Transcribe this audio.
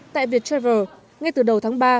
tại việt travel ngay từ đầu tháng ba